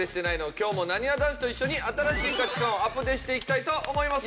今日もなにわ男子と一緒に新しい価値観をアプデしていきたいと思います。